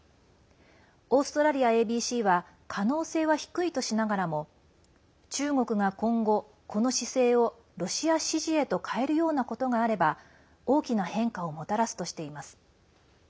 オーストラリアＡＢＣは可能性は低いとしながらも中国が今後この姿勢をロシア支持へと変えるようなことがあれば大きな変化をもたらすとしています。